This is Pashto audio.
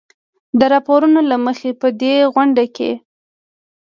د راپورونو له مخې په دې غونډه کې